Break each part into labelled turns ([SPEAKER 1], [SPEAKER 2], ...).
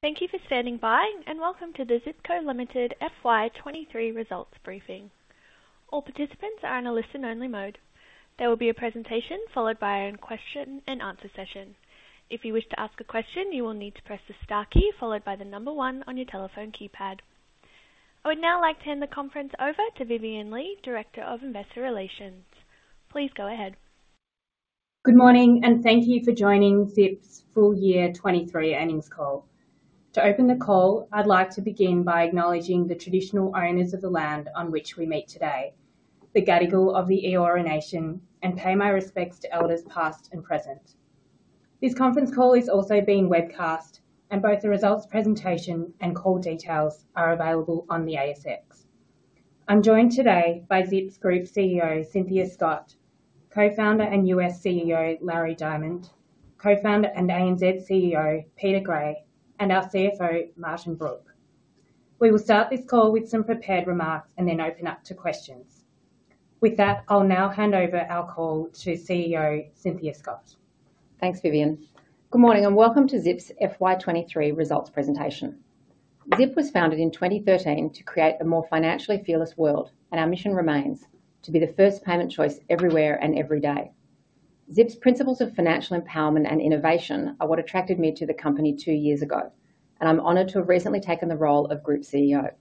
[SPEAKER 1] Thank you for standing by, and welcome to the Zip Co Limited FY 2023 results briefing. All participants are in a listen-only mode. There will be a presentation followed by a question and answer session. If you wish to ask a question, you will need to press the star key followed by the number one on your telephone keypad. I would now like to hand the conference over to Vivienne Lee, Director of Investor Relations. Please go ahead.
[SPEAKER 2] Good morning, and thank you for joining Zip's full year 2023 earnings call. To open the call, I'd like to begin by acknowledging the traditional owners of the land on which we meet today, the Gadigal of the Eora Nation, and pay my respects to elders, past and present. This conference call is also being webcast, and both the results, presentation, and call details are available on the ASX. I'm joined today by Zip's Group CEO, Cynthia Scott, Co-founder and U.S. CEO, Larry Diamond, Co-founder and ANZ CEO, Peter Gray, and our CFO, Martin Brooke. We will start this call with some prepared remarks and then open up to questions. With that, I'll now hand over our call to CEO, Cynthia Scott.
[SPEAKER 3] Thanks, Vivienne. Good morning, and welcome to Zip's FY 2023 results presentation. Zip was founded in 2013 to create a more financially fearless world, and our mission remains: to be the first payment choice everywhere and every day. Zip's principles of financial empowerment and innovation are what attracted me to the company two years ago, and I'm honored to have recently taken the role of Group CEO.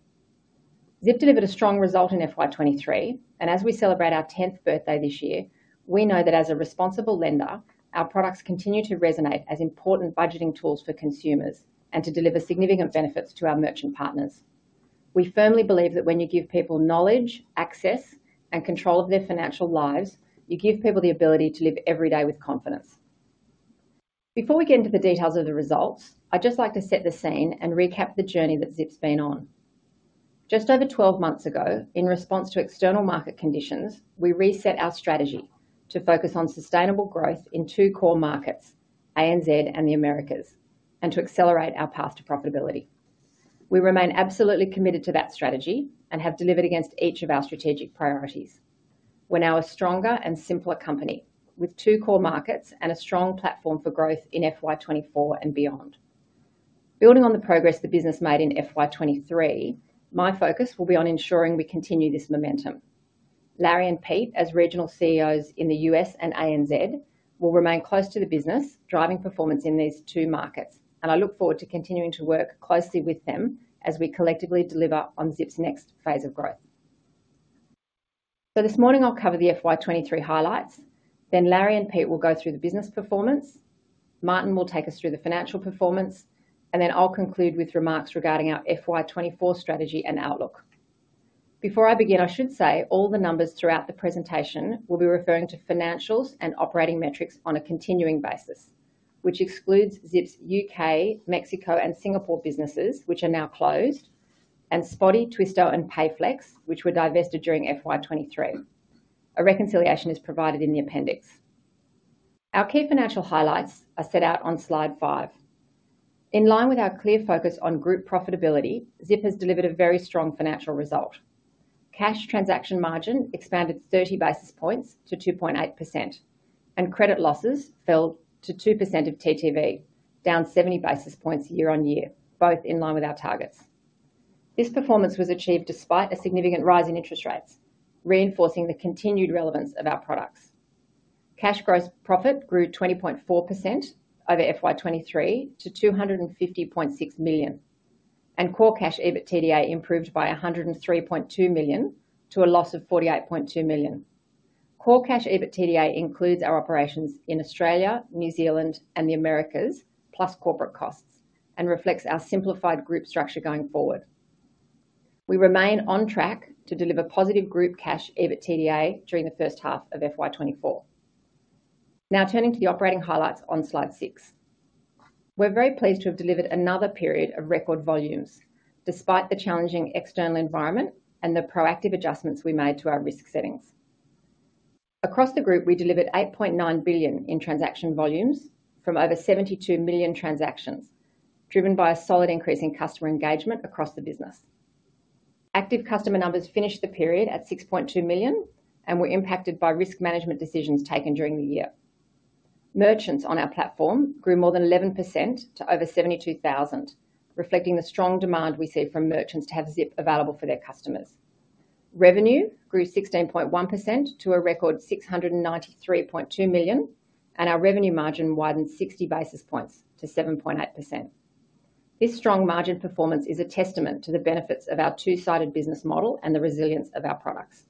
[SPEAKER 3] Zip delivered a strong result in FY 2023, and as we celebrate our 10th birthday this year, we know that as a responsible lender, our products continue to resonate as important budgeting tools for consumers and to deliver significant benefits to our merchant partners. We firmly believe that when you give people knowledge, access, and control of their financial lives, you give people the ability to live every day with confidence. Before we get into the details of the results, I'd just like to set the scene and recap the journey that Zip's been on. Just over 12 months ago, in response to external market conditions, we reset our strategy to focus on sustainable growth in two core markets, ANZ and the Americas, and to accelerate our path to profitability. We remain absolutely committed to that strategy and have delivered against each of our strategic priorities. We're now a stronger and simpler company with two core markets and a strong platform for growth in FY 2024 and beyond. Building on the progress the business made in FY 2023, my focus will be on ensuring we continue this momentum. Larry and Pete, as regional CEOs in the U.S. and ANZ, will remain close to the business, driving performance in these two markets, and I look forward to continuing to work closely with them as we collectively deliver on Zip's next phase of growth. So this morning, I'll cover the FY 2023 highlights, then Larry and Pete will go through the business performance, Martin will take us through the financial performance, and then I'll conclude with remarks regarding our FY 2024 strategy and outlook. Before I begin, I should say, all the numbers throughout the presentation will be referring to financials and operating metrics on a continuing basis, which excludes Zip's U.K., Mexico, and Singapore businesses, which are now closed, and Spotii, Twisto, and Payflex, which were divested during FY 2023. A reconciliation is provided in the appendix. Our key financial highlights are set out on slide five. In line with our clear focus on group profitability, Zip has delivered a very strong financial result. Cash transaction margin expanded 30 basis points to 2.8%, and credit losses fell to 2% of TTV, down 70 basis points year-on-year, both in line with our targets. This performance was achieved despite a significant rise in interest rates, reinforcing the continued relevance of our products. Cash gross profit grew 20.4% over FY 2023 to 250.6 million, and core Cash EBITDA improved by 103.2 million to a loss of 48.2 million. Core Cash EBITDA includes our operations in Australia, New Zealand, and the Americas, plus corporate costs, and reflects our simplified group structure going forward. We remain on track to deliver positive group Cash EBITDA during the first half of FY 2024. Now turning to the operating highlights on slide six. We're very pleased to have delivered another period of record volumes despite the challenging external environment and the proactive adjustments we made to our risk settings. Across the group, we delivered 8.9 billion in transaction volumes from over 72 million transactions, driven by a solid increase in customer engagement across the business. Active customer numbers finished the period at 6.2 million and were impacted by risk management decisions taken during the year. Merchants on our platform grew more than 11% to over 72,000, reflecting the strong demand we see from merchants to have Zip available for their customers. Revenue grew 16.1% to a record 693.2 million, and our revenue margin widened 60 basis points to 7.8%. This strong margin performance is a testament to the benefits of our two-sided business model and the resilience of our products.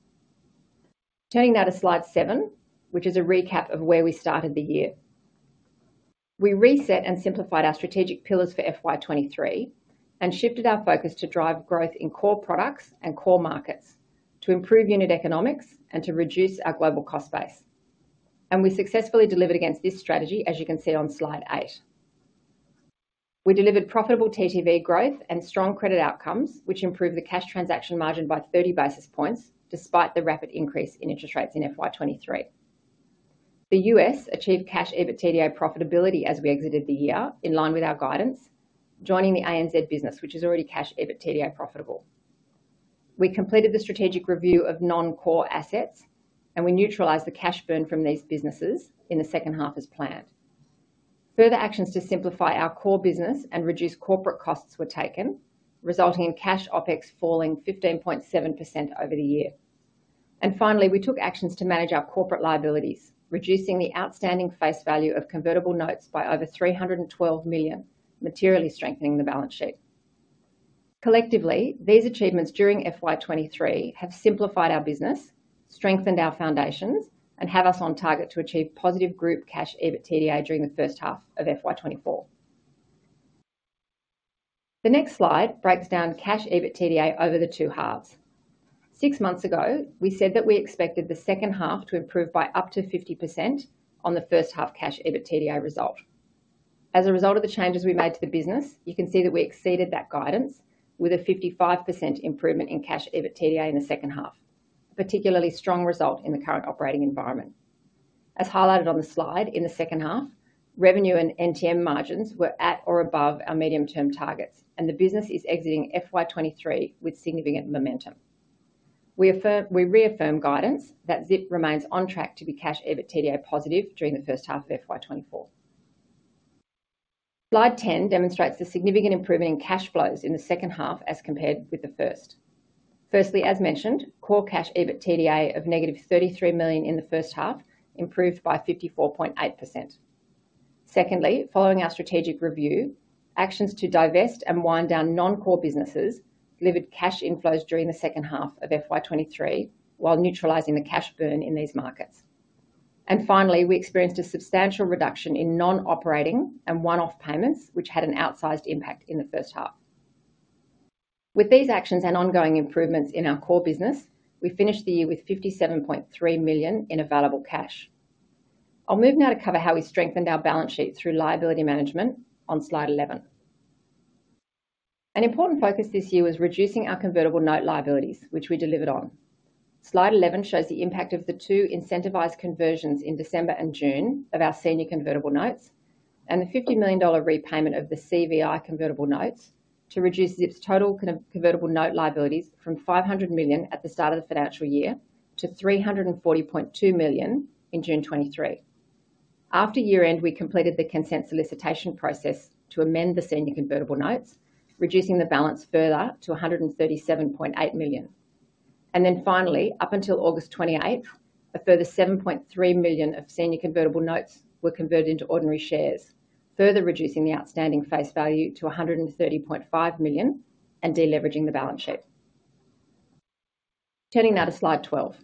[SPEAKER 3] Turning now to slide seven, which is a recap of where we started the year. We reset and simplified our strategic pillars for FY 2023 and shifted our focus to drive growth in core products and core markets, to improve unit economics, and to reduce our global cost base. We successfully delivered against this strategy, as you can see on slide eight. We delivered profitable TTV growth and strong credit outcomes, which improved the cash transaction margin by 30 basis points, despite the rapid increase in interest rates in FY 2023. The U.S. achieved Cash EBITDA profitability as we exited the year in line with our guidance, joining the ANZ business, which is already Cash EBITDA profitable. We completed the strategic review of non-core assets, and we neutralized the cash burn from these businesses in the second half as planned. Further actions to simplify our core business and reduce corporate costs were taken, resulting in cash OpEx falling 15.7% over the year. Finally, we took actions to manage our corporate liabilities, reducing the outstanding face value of convertible notes by over 312 million, materially strengthening the balance sheet. Collectively, these achievements during FY 2023 have simplified our business, strengthened our foundations, and have us on target to achieve positive group Cash EBITDA during the first half of FY 2024. The next slide breaks down Cash EBITDA over the two halves. Six months ago, we said that we expected the second half to improve by up to 50% on the first half Cash EBITDA result. As a result of the changes we made to the business, you can see that we exceeded that guidance with a 55% improvement in Cash EBITDA in the second half, particularly strong result in the current operating environment. As highlighted on the slide, in the second half, revenue and NTM margins were at or above our medium-term targets, and the business is exiting FY 2023 with significant momentum. We reaffirm guidance that Zip remains on track to be Cash EBITDA positive during the first half of FY 2024. Slide 10 demonstrates the significant improvement in cash flows in the second half as compared with the first. Firstly, as mentioned, core Cash EBITDA of -33 million in the first half improved by 54.8%. Secondly, following our strategic review, actions to divest and wind down non-core businesses delivered cash inflows during the second half of FY 2023, while neutralizing the cash burn in these markets. And finally, we experienced a substantial reduction in non-operating and one-off payments, which had an outsized impact in the first half. With these actions and ongoing improvements in our core business, we finished the year with 57.3 million in available cash. I'll move now to cover how we strengthened our balance sheet through liability management on slide 11. An important focus this year was reducing our convertible note liabilities, which we delivered on. Slide 11 shows the impact of the two incentivized conversions in December and June of our senior convertible notes, and the $50 million repayment of the CVI convertible notes to reduce Zip's total convertible note liabilities from $500 million at the start of the financial year to $340.2 million in June 2023. After year-end, we completed the consent solicitation process to amend the senior convertible notes, reducing the balance further to $137.8 million. Then finally, up until August 28th, a further $7.3 million of senior convertible notes were converted into ordinary shares, further reducing the outstanding face value to $130.5 million and de-leveraging the balance sheet. Turning now to slide 12.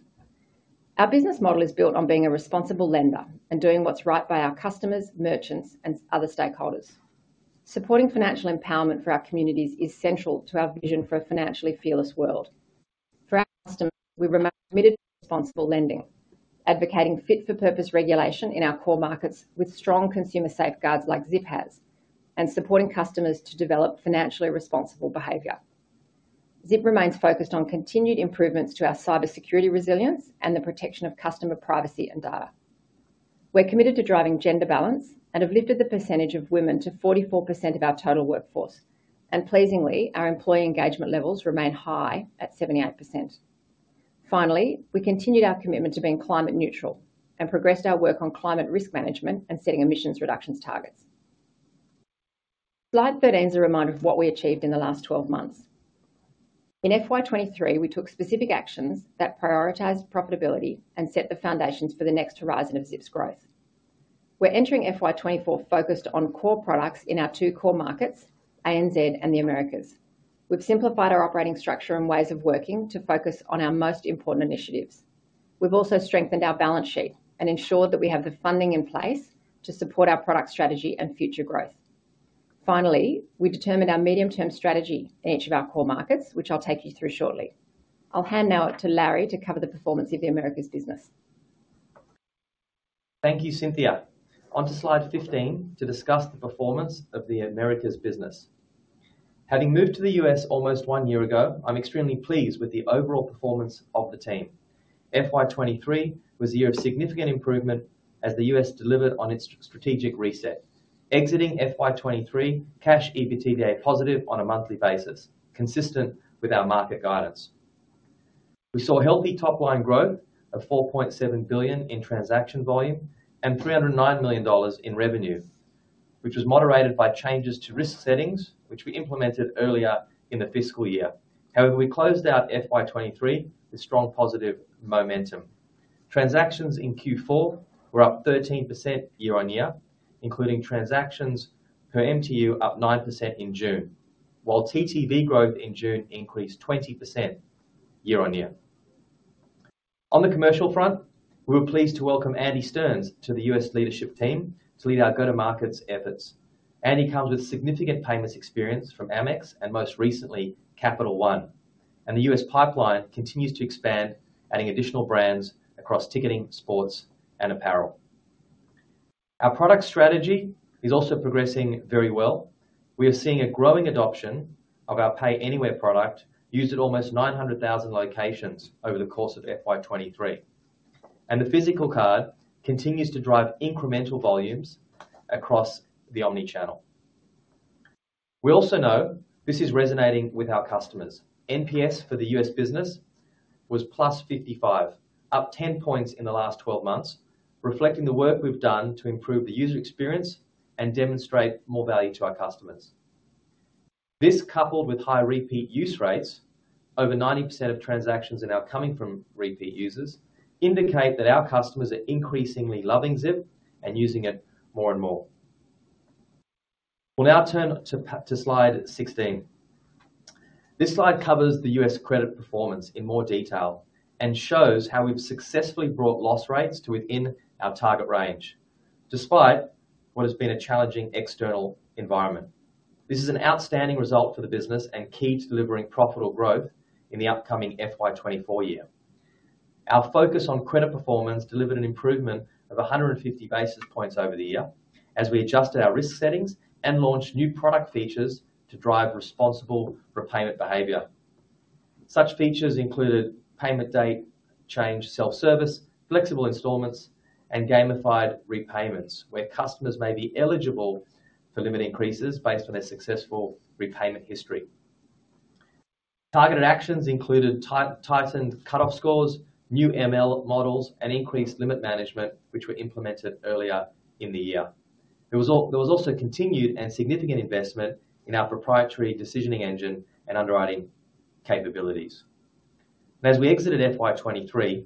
[SPEAKER 3] Our business model is built on being a responsible lender and doing what's right by our customers, merchants, and other stakeholders. Supporting financial empowerment for our communities is central to our vision for a financially fearless world. For our customers, we remain committed to responsible lending, advocating fit-for-purpose regulation in our core markets with strong consumer safeguards like Zip has, and supporting customers to develop financially responsible behavior. Zip remains focused on continued improvements to our cybersecurity resilience and the protection of customer privacy and data. We're committed to driving gender balance and have lifted the percentage of women to 44% of our total workforce. And pleasingly, our employee engagement levels remain high at 78%. Finally, we continued our commitment to being climate neutral and progressed our work on climate risk management and setting emissions reductions targets. Slide 13 is a reminder of what we achieved in the last 12 months. In FY 2023, we took specific actions that prioritized profitability and set the foundations for the next horizon of Zip's growth. We're entering FY 2024, focused on core products in our two core markets, ANZ and the Americas. We've simplified our operating structure and ways of working to focus on our most important initiatives. We've also strengthened our balance sheet and ensured that we have the funding in place to support our product strategy and future growth. Finally, we determined our medium-term strategy in each of our core markets, which I'll take you through shortly. I'll hand now to Larry to cover the performance of the Americas business.
[SPEAKER 4] Thank you, Cynthia. On to slide 15 to discuss the performance of the Americas business. Having moved to the U.S. almost one year ago, I'm extremely pleased with the overall performance of the team. FY 2023 was a year of significant improvement as the U.S. delivered on its strategic reset. Exiting FY 2023, Cash EBITDA positive on a monthly basis, consistent with our market guidance. We saw healthy top-line growth of $4.7 billion in transaction volume and $309 million in revenue, which was moderated by changes to risk settings, which we implemented earlier in the fiscal year. However, we closed out FY 2023 with strong positive momentum. Transactions in Q4 were up 13% year-on-year, including transactions per MTU, up 9% in June, while TTV growth in June increased 20% year-on-year. On the commercial front, we were pleased to welcome Andy Stearns to the U.S. leadership team to lead our go-to-markets efforts. Andy comes with significant payments experience from Amex and most recently, Capital One. The U.S. pipeline continues to expand, adding additional brands across ticketing, sports, and apparel. Our product strategy is also progressing very well. We are seeing a growing adoption of our Pay Anywhere product, used at almost 900,000 locations over the course of FY 2023. The physical card continues to drive incremental volumes across the omni-channel. We also know this is resonating with our customers. NPS for the U.S. business was +55, up 10 points in the last 12 months, reflecting the work we've done to improve the user experience and demonstrate more value to our customers. This, coupled with high repeat use rates, over 90% of transactions are now coming from repeat users, indicate that our customers are increasingly loving Zip and using it more and more. We'll now turn to slide 16. This slide covers the U.S. credit performance in more detail and shows how we've successfully brought loss rates to within our target range, despite what has been a challenging external environment. This is an outstanding result for the business and key to delivering profitable growth in the upcoming FY 2024 year. Our focus on credit performance delivered an improvement of 150 basis points over the year, as we adjusted our risk settings and launched new product features to drive responsible repayment behavior. Such features included payment date change, self-service, flexible installments, and gamified repayments, where customers may be eligible for limit increases based on their successful repayment history. Targeted actions included tightened cutoff scores, new ML models, and increased limit management, which were implemented earlier in the year. There was also continued and significant investment in our proprietary decisioning engine and underwriting capabilities. And as we exited FY 2023,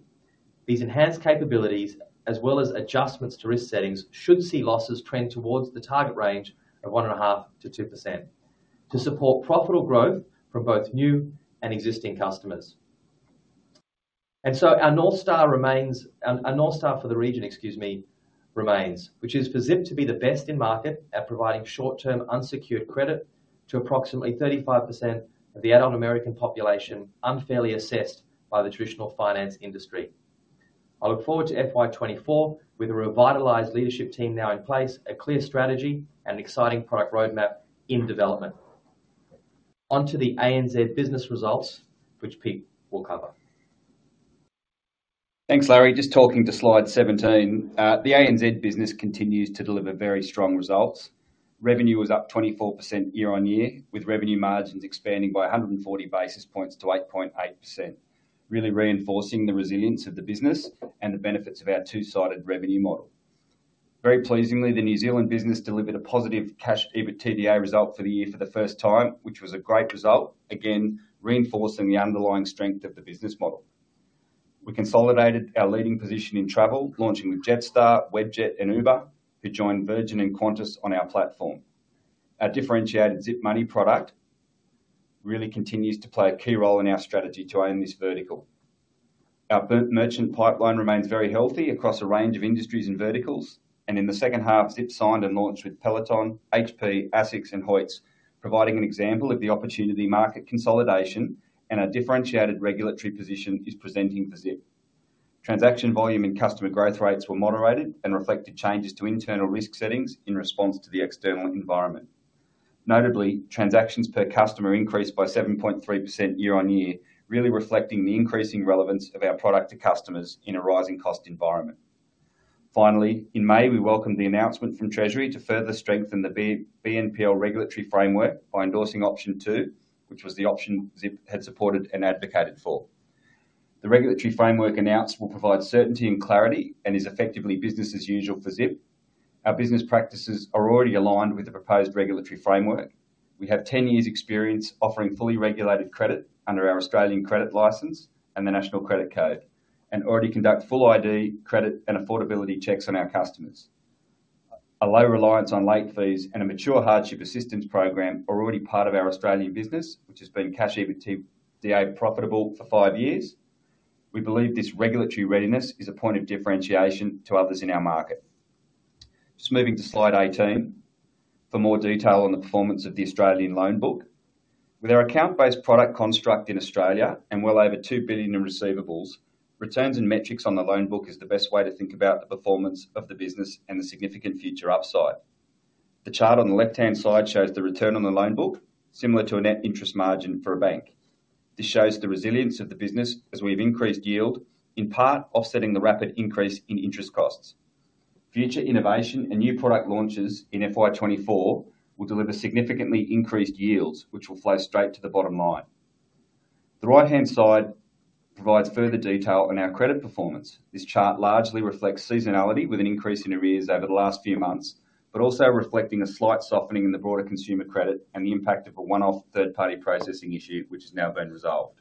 [SPEAKER 4] these enhanced capabilities, as well as adjustments to risk settings, should see losses trend towards the target range of 1.5%-2%, to support profitable growth from both new and existing customers. And so our North Star remains... Our North Star for the region, excuse me, remains, which is for Zip to be the best in market at providing short-term, unsecured credit to approximately 35% of the adult American population, unfairly assessed by the traditional finance industry. I look forward to FY 2024 with a revitalized leadership team now in place, a clear strategy, and exciting product roadmap in development. On to the ANZ business results, which Pete will cover.
[SPEAKER 5] Thanks, Larry. Just talking to slide 17. The ANZ business continues to deliver very strong results. Revenue was up 24% year-on-year, with revenue margins expanding by 140 basis points to 8.8%, really reinforcing the resilience of the business and the benefits of our two-sided revenue model. Very pleasingly, the New Zealand business delivered a positive Cash EBITDA result for the year for the first time, which was a great result, again, reinforcing the underlying strength of the business model. We consolidated our leading position in travel, launching with Jetstar, Webjet, and Uber, who joined Virgin and Qantas on our platform. Our differentiated Zip Money product really continues to play a key role in our strategy to own this vertical. Our merchant pipeline remains very healthy across a range of industries and verticals, and in the second half, Zip signed and launched with Peloton, HP, ASICS, and Hoyts, providing an example of the opportunity, market consolidation, and our differentiated regulatory position is presenting for Zip. Transaction volume and customer growth rates were moderated and reflected changes to internal risk settings in response to the external environment. Notably, transactions per customer increased by 7.3% year-on-year, really reflecting the increasing relevance of our product to customers in a rising cost environment. Finally, in May, we welcomed the announcement from Treasury to further strengthen the BNPL regulatory framework by endorsing Option Two, which was the option Zip had supported and advocated for. The regulatory framework announced will provide certainty and clarity and is effectively business as usual for Zip. Our business practices are already aligned with the proposed regulatory framework. We have 10 years' experience offering fully regulated credit under our Australian credit license and the National Credit Code, and already conduct full ID, credit, and affordability checks on our customers. A low reliance on late fees and a mature hardship assistance program are already part of our Australian business, which has been Cash EBITDA profitable for five years. We believe this regulatory readiness is a point of differentiation to others in our market. Just moving to slide 18 for more detail on the performance of the Australian loan book. With our account-based product construct in Australia and well over 2 billion in receivables, returns and metrics on the loan book is the best way to think about the performance of the business and the significant future upside. The chart on the left-hand side shows the return on the loan book, similar to a net interest margin for a bank. This shows the resilience of the business as we've increased yield, in part, offsetting the rapid increase in interest costs. Future innovation and new product launches in FY 2024 will deliver significantly increased yields, which will flow straight to the bottom line. The right-hand side provides further detail on our credit performance. This chart largely reflects seasonality, with an increase in arrears over the last few months, but also reflecting a slight softening in the broader consumer credit and the impact of a one-off third-party processing issue, which has now been resolved.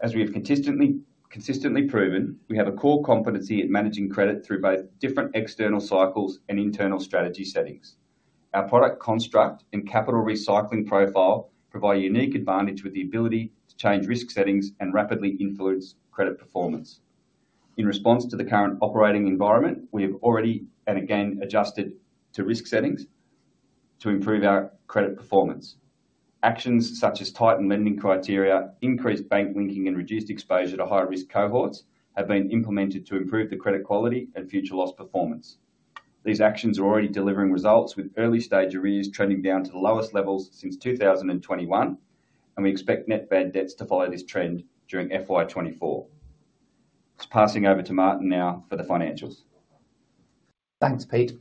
[SPEAKER 5] As we have consistently proven, we have a core competency at managing credit through both different external cycles and internal strategy settings. Our product construct and capital recycling profile provide unique advantage with the ability to change risk settings and rapidly influence credit performance. In response to the current operating environment, we have already, and again, adjusted to risk settings to improve our credit performance. Actions such as tightened lending criteria, increased bank linking, and reduced exposure to high-risk cohorts, have been implemented to improve the credit quality and future loss performance. These actions are already delivering results, with early-stage arrears trending down to the lowest levels since 2021, and we expect net bad debts to follow this trend during FY 2024. Passing over to Martin now for the financials.
[SPEAKER 6] Thanks, Pete.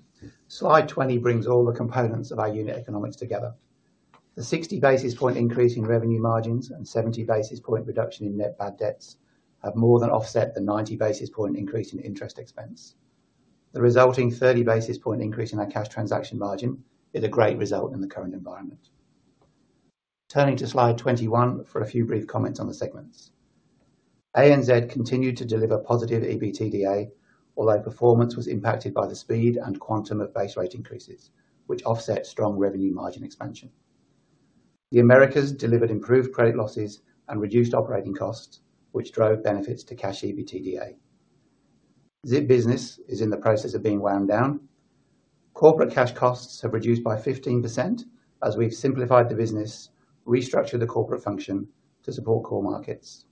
[SPEAKER 6] Slide 20 brings all the components of our unit economics together. The 60 basis point increase in revenue margins and 70 basis point reduction in net bad debts have more than offset the 90 basis point increase in interest expense. The resulting 30 basis point increase in our cash transaction margin is a great result in the current environment. Turning to slide 21 for a few brief comments on the segments. ANZ continued to deliver positive EBITDA, although performance was impacted by the speed and quantum of base rate increases, which offset strong revenue margin expansion. The Americas delivered improved credit losses and reduced operating costs, which drove benefits to Cash EBITDA. Zip Business is in the process of being wound down. Corporate cash costs have reduced by 15% as we've simplified the business, restructured the corporate function to support core markets.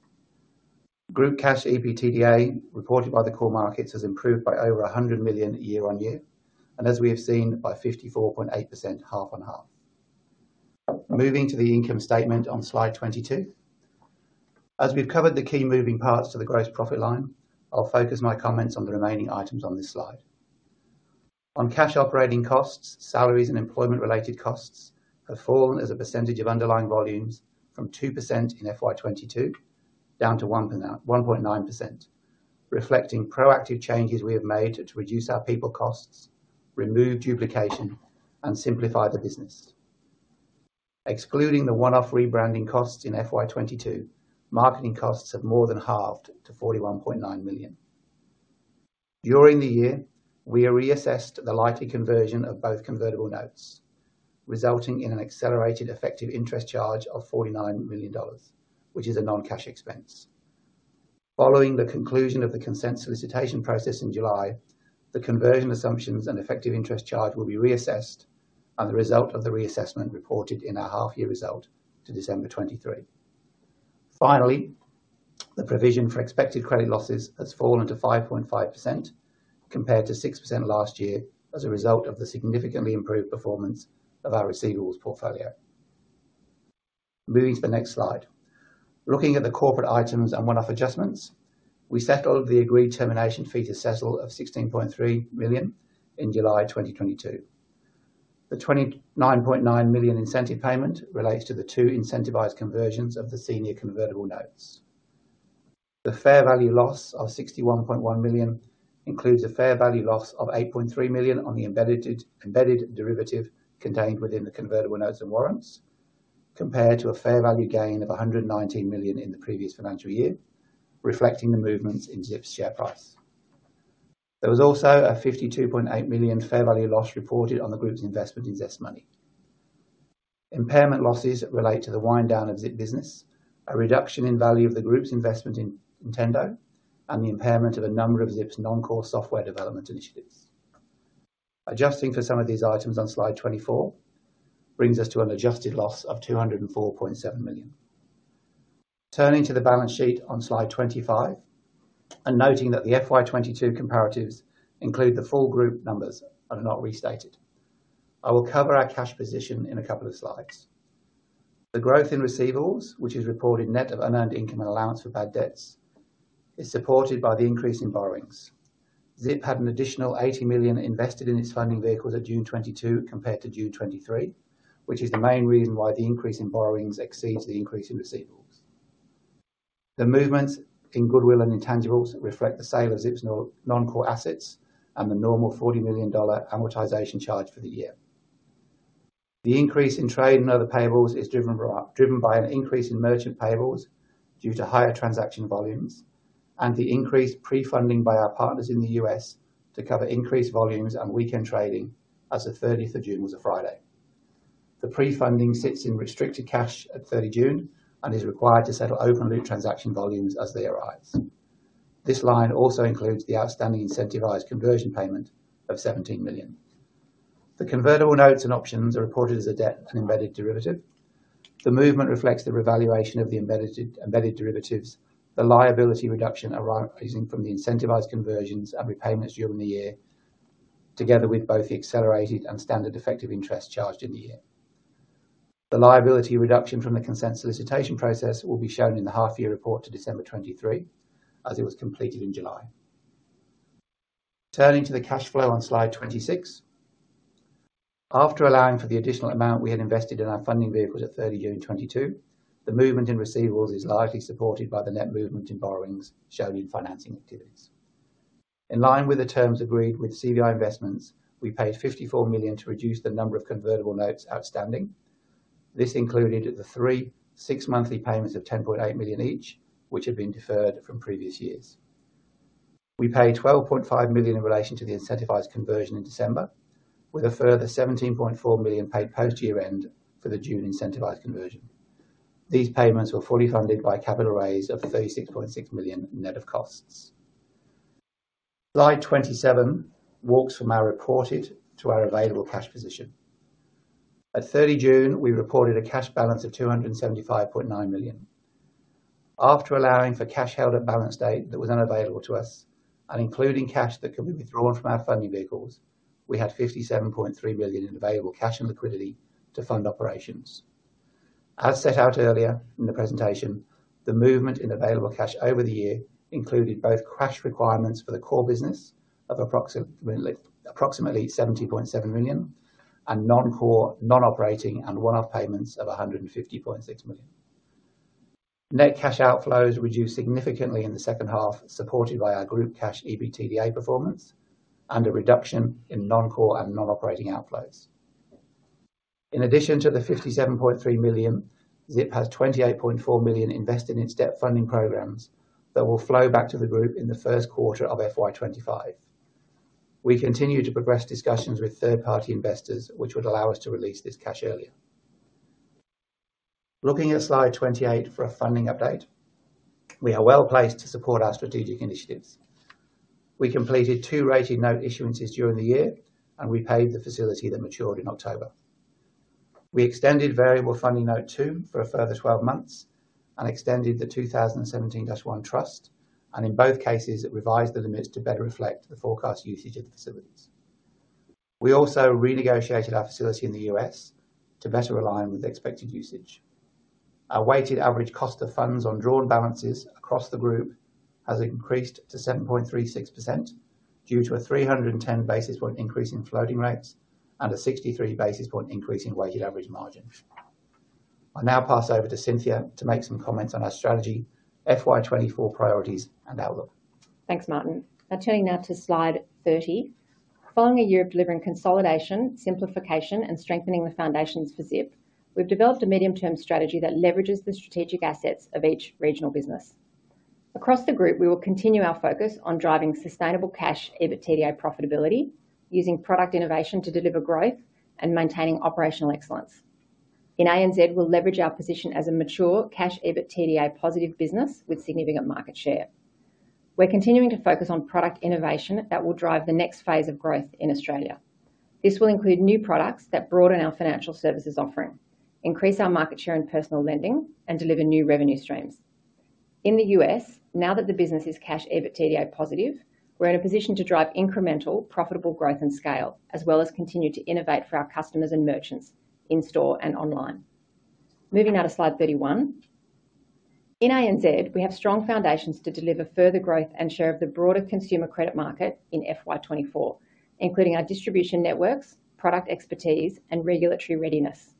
[SPEAKER 6] Group Cash EBITDA, reported by the core markets, has improved by over 100 million year-on-year, and as we have seen, by 54.8%, half-on-half. Moving to the income statement on slide 22. As we've covered the key moving parts to the gross profit line, I'll focus my comments on the remaining items on this slide. On cash operating costs, salaries, and employment-related costs have fallen as a percentage of underlying volumes from 2% in FY 2022 down to 1.9%, reflecting proactive changes we have made to reduce our people costs, remove duplication, and simplify the business. Excluding the one-off rebranding costs in FY 2022, marketing costs have more than halved to 41.9 million. During the year, we reassessed the likely conversion of both convertible notes, resulting in an accelerated effective interest charge of 49 million dollars, which is a non-cash expense. Following the conclusion of the consent solicitation process in July, the conversion assumptions and effective interest charge will be reassessed and the result of the reassessment reported in our half-year result to December 2023. Finally, the provision for expected credit losses has fallen to 5.5%, compared to 6% last year, as a result of the significantly improved performance of our receivables portfolio. Moving to the next slide. Looking at the corporate items and one-off adjustments, we settled the agreed termination fee to Sezzle of 16.3 million in July 2022. The 29.9 million incentive payment relates to the two incentivized conversions of the senior convertible notes. The fair value loss of 61.1 million includes a fair value loss of 8.3 million on the embedded derivative contained within the convertible notes and warrants, compared to a fair value gain of 119 million in the previous financial year, reflecting the movements in Zip's share price. There was also a 52.8 million fair value loss reported on the group's investment in ZestMoney. Impairment losses relate to the wind down of Zip business, a reduction in value of the group's investment in TendoPay, and the impairment of a number of Zip's non-core software development initiatives. Adjusting for some of these items on slide 24, brings us to an adjusted loss of 204.7 million. Turning to the balance sheet on slide 25, and noting that the FY 2022 comparatives include the full group numbers and are not restated. I will cover our cash position in a couple of slides. The growth in receivables, which is reported net of unearned income and allowance for bad debts, is supported by the increase in borrowings. Zip had an additional 80 million invested in its funding vehicles at June 2022 compared to June 2023, which is the main reason why the increase in borrowings exceeds the increase in receivables. The movements in goodwill and intangibles reflect the sale of Zip's non-core assets and the normal 40 million dollar amortization charge for the year. The increase in trade and other payables is driven by an increase in merchant payables due to higher transaction volumes and the increased pre-funding by our partners in the U.S. to cover increased volumes and weekend trading, as the 30th of June was a Friday. The pre-funding sits in restricted cash at 30 June and is required to settle open loop transaction volumes as they arise. This line also includes the outstanding incentivized conversion payment of 17 million. The convertible notes and options are reported as a debt and embedded derivative. The movement reflects the revaluation of the embedded derivatives, the liability reduction arising from the incentivized conversions and repayments during the year, together with both the accelerated and standard effective interest charged in the year. The liability reduction from the consent solicitation process will be shown in the half year report to December 2023, as it was completed in July. Turning to the cash flow on slide 26. After allowing for the additional amount we had invested in our funding vehicles at 30 June 2022, the movement in receivables is largely supported by the net movement in borrowings shown in financing activities. In line with the terms agreed with CVI Investments, we paid 54 million to reduce the number of convertible notes outstanding. This included the three six-monthly payments of 10.8 million each, which had been deferred from previous years. We paid 12.5 million in relation to the incentivized conversion in December, with a further 17.4 million paid post-year end for the June incentivized conversion. These payments were fully funded by a capital raise of 36.6 million, net of costs. Slide 27 walks from our reported to our available cash position. At 30 June, we reported a cash balance of 275.9 million. After allowing for cash held at balance date that was unavailable to us and including cash that could be withdrawn from our funding vehicles, we had 57.3 million in available cash and liquidity to fund operations. As set out earlier in the presentation, the movement in available cash over the year included both cash requirements for the core business of approximately 70.7 million, and non-core, non-operating and one-off payments of 150.6 million. Net cash outflows reduced significantly in the second half, supported by our group Cash EBITDA performance and a reduction in non-core and non-operating outflows. In addition to the 57.3 million, Zip has 28.4 million invested in step funding programs that will flow back to the group in the first quarter of FY 2025. We continue to progress discussions with third-party investors, which would allow us to release this cash earlier. Looking at slide 28 for a funding update, we are well-placed to support our strategic initiatives. We completed two rated note issuances during the year, and we paid the facility that matured in October. We extended Variable Funding Note 2 for a further 12 months and extended the 2017-1 Trust, and in both cases, it revised the limits to better reflect the forecast usage of the facilities. We also renegotiated our facility in the U.S. to better align with the expected usage. Our weighted average cost of funds on drawn balances across the group has increased to 7.36% due to a 310 basis point increase in floating rates and a 63 basis point increase in weighted average margin. I now pass over to Cynthia to make some comments on our strategy, FY 2024 priorities and outlook.
[SPEAKER 3] Thanks, Martin. Now turning to slide 30. Following a year of delivering consolidation, simplification, and strengthening the foundations for Zip, we've developed a medium-term strategy that leverages the strategic assets of each regional business. Across the group, we will continue our focus on driving sustainable Cash EBITDA profitability, using product innovation to deliver growth and maintaining operational excellence. In ANZ, we'll leverage our position as a mature Cash EBITDA positive business with significant market share. We're continuing to focus on product innovation that will drive the next phase of growth in Australia. This will include new products that broaden our financial services offering, increase our market share in personal lending, and deliver new revenue streams. In the U.S., now that the business is Cash EBITDA positive, we're in a position to drive incremental, profitable growth and scale, as well as continue to innovate for our customers and merchants in store and online. Moving now to slide 31. In ANZ, we have strong foundations to deliver further growth and share of the broader consumer credit market in FY 2024, including our distribution networks, product expertise, and regulatory readiness.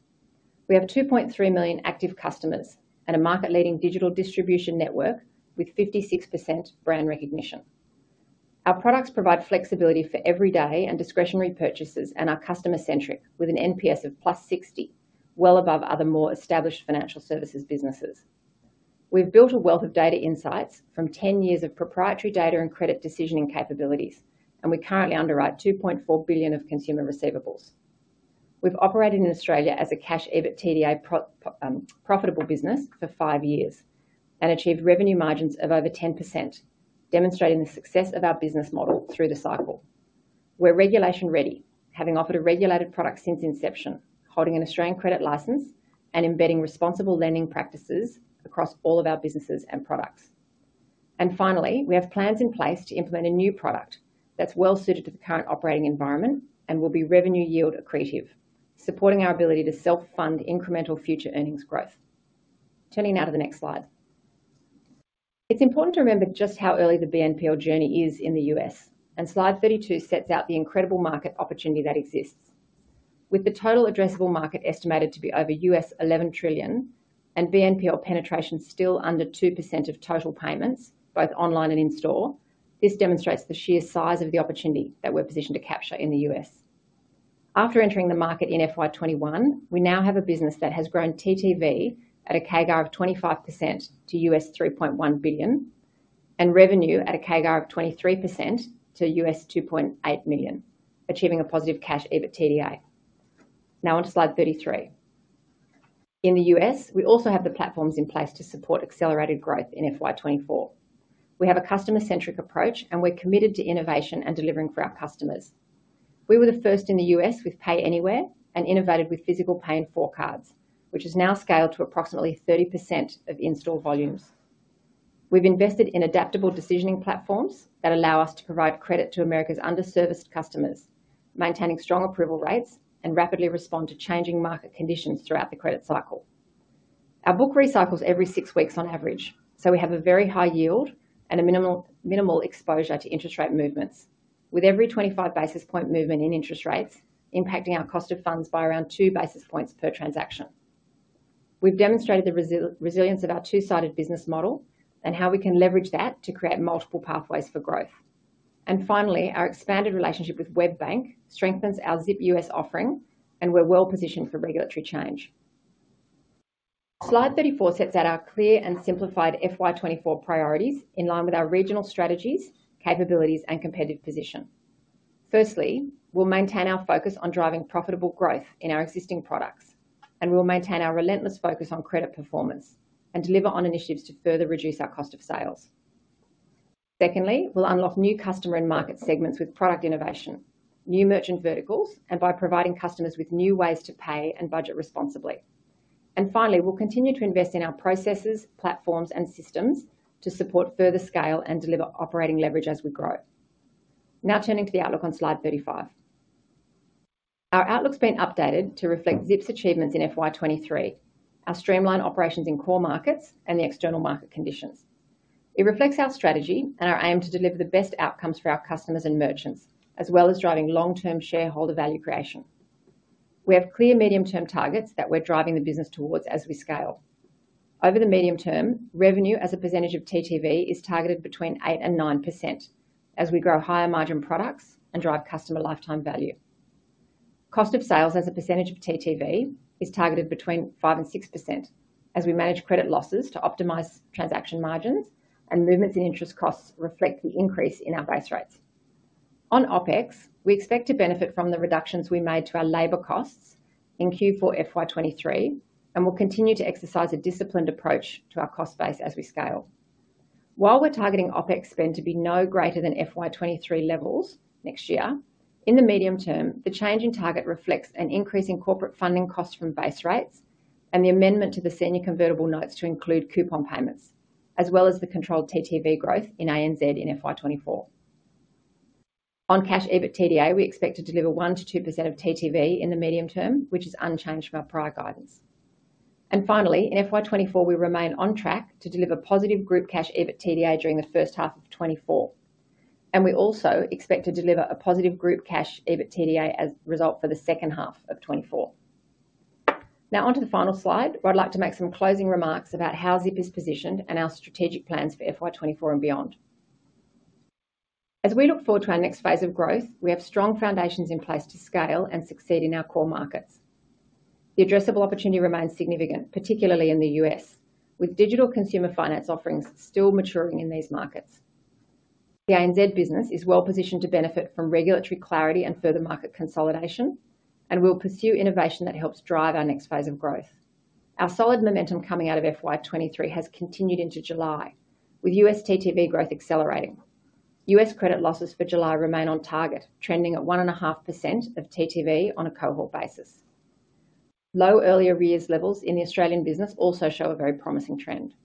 [SPEAKER 3] We have 2.3 million active customers and a market-leading digital distribution network with 56% brand recognition. Our products provide flexibility for everyday and discretionary purchases and are customer-centric with an NPS of +60, well above other more established financial services businesses. We've built a wealth of data insights from 10 years of proprietary data and credit decisioning capabilities, and we currently underwrite 2.4 billion of consumer receivables. We've operated in Australia as a Cash EBITDA positive profitable business for five years and achieved revenue margins of over 10%, demonstrating the success of our business model through the cycle. We're regulation ready, having offered a regulated product since inception, holding an Australian credit license and embedding responsible lending practices across all of our businesses and products. And finally, we have plans in place to implement a new product that's well suited to the current operating environment and will be revenue yield accretive, supporting our ability to self-fund incremental future earnings growth. Turning now to the next slide. It's important to remember just how early the BNPL journey is in the U.S., and slide 32 sets out the incredible market opportunity that exists. With the total addressable market estimated to be over $11 trillion and BNPL penetration still under 2% of total payments, both online and in-store, this demonstrates the sheer size of the opportunity that we're positioned to capture in the U.S. After entering the market in FY 2021, we now have a business that has grown TTV at a CAGR of 25% to $3.1 billion, and revenue at a CAGR of 23% to $2.8 million, achieving a positive Cash EBITDA. Now on to slide 33. In the U.S., we also have the platforms in place to support accelerated growth in FY 2024. We have a customer-centric approach, and we're committed to innovation and delivering for our customers. We were the first in the U.S. with Pay Anywhere and innovated with physical Pay in 4 cards, which has now scaled to approximately 30% of in-store volumes. We've invested in adaptable decisioning platforms that allow us to provide credit to America's underserviced customers, maintaining strong approval rates and rapidly respond to changing market conditions throughout the credit cycle. Our book recycles every six weeks on average, so we have a very high yield and a minimal exposure to interest rate movements. With every 25 basis point movement in interest rates impacting our cost of funds by around 2 basis points per transaction. We've demonstrated the resilience of our two-sided business model and how we can leverage that to create multiple pathways for growth. Finally, our expanded relationship with WebBank strengthens our Zip U.S. offering, and we're well positioned for regulatory change. Slide 34 sets out our clear and simplified FY 2024 priorities in line with our regional strategies, capabilities, and competitive position. Firstly, we'll maintain our focus on driving profitable growth in our existing products, and we'll maintain our relentless focus on credit performance and deliver on initiatives to further reduce our cost of sales. Secondly, we'll unlock new customer and market segments with product innovation, new merchant verticals, and by providing customers with new ways to pay and budget responsibly. And finally, we'll continue to invest in our processes, platforms, and systems to support further scale and deliver operating leverage as we grow. Now turning to the outlook on slide 35. Our outlook's been updated to reflect Zip's achievements in FY 2023, our streamlined operations in core markets, and the external market conditions. It reflects our strategy and our aim to deliver the best outcomes for our customers and merchants, as well as driving long-term shareholder value creation. We have clear medium-term targets that we're driving the business towards as we scale. Over the medium term, revenue as a percentage of TTV is targeted between 8% and 9% as we grow higher margin products and drive customer lifetime value. Cost of sales as a percentage of TTV is targeted between 5% and 6%, as we manage credit losses to optimize transaction margins, and movements in interest costs reflect the increase in our base rates. On OpEx, we expect to benefit from the reductions we made to our labor costs in Q4 FY 2023, and we'll continue to exercise a disciplined approach to our cost base as we scale. While we're targeting OpEx spend to be no greater than FY 2023 levels next year, in the medium term, the change in target reflects an increase in corporate funding costs from base rates and the amendment to the senior convertible notes to include coupon payments, as well as the controlled TTV growth in ANZ in FY 2024. On Cash EBITDA, we expect to deliver 1%-2% of TTV in the medium term, which is unchanged from our prior guidance. And finally, in FY 2024, we remain on track to deliver positive group Cash EBITDA during the first half of 2024. And we also expect to deliver a positive group Cash EBITDA as result for the second half of 2024. Now on to the final slide, where I'd like to make some closing remarks about how Zip is positioned and our strategic plans for FY 2024 and beyond. As we look forward to our next phase of growth, we have strong foundations in place to scale and succeed in our core markets. The addressable opportunity remains significant, particularly in the U.S., with digital consumer finance offerings still maturing in these markets. The ANZ business is well positioned to benefit from regulatory clarity and further market consolidation, and we'll pursue innovation that helps drive our next phase of growth. Our solid momentum coming out of FY 2023 has continued into July, with U.S. TTV growth accelerating. U.S. credit losses for July remain on target, trending at 1.5% of TTV on a cohort basis. Low earlier arrears levels in the Australian business also show a very promising trend.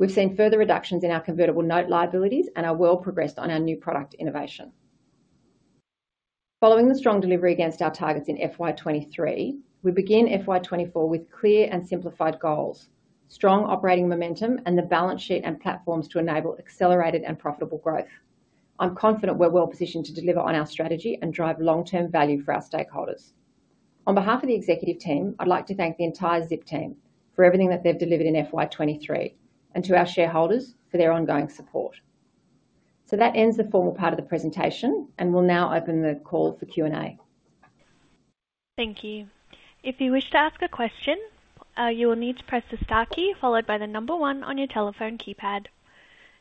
[SPEAKER 3] We've seen further reductions in our convertible note liabilities and are well progressed on our new product innovation. Following the strong delivery against our targets in FY 2023, we begin FY 2024 with clear and simplified goals, strong operating momentum, and the balance sheet and platforms to enable accelerated and profitable growth. I'm confident we're well positioned to deliver on our strategy and drive long-term value for our stakeholders. On behalf of the executive team, I'd like to thank the entire Zip team for everything that they've delivered in FY 2023, and to our shareholders for their ongoing support. So that ends the formal part of the presentation, and we'll now open the call for Q&A.
[SPEAKER 1] Thank you. If you wish to ask a question, you will need to press the star key followed by the number one on your telephone keypad.